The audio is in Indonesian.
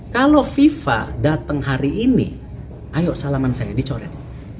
kalau viva datang hari ini ayo salaman saya dicoret